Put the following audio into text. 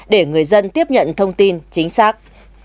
để người dân tiếp nhận thông tin chính xác